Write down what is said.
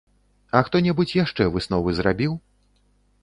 А хто-небудзь яшчэ высновы зрабіў?